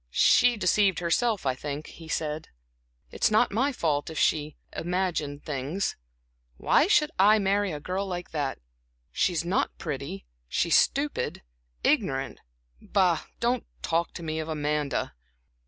"She deceived herself, I think," he said. "It's not my fault if she imagined things. Why should I marry a girl like that? She's not pretty, she's stupid, ignorant. Bah, don't talk to me of Amanda."